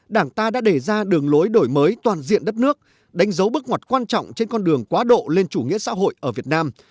đảng ta đã đề ra đường lối đổi mới toàn diện đất nước đánh dấu bước ngoặt quan trọng trên con đường quá độ lên chủ nghĩa xã hội ở việt nam